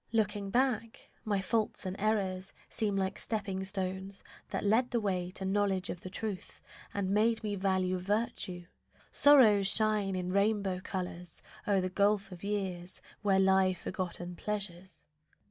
Looking back, My faults and errors seem like stepping stones That led the way to knowledge of the truth And made me value virtue; sorrows shine In rainbow colours o'er the gulf of years, Where lie forgotten pleasures.